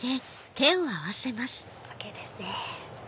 ＯＫですね！